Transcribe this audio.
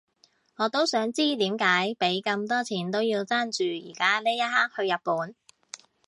我都想知點解畀咁多錢都要爭住而家呢一刻去日本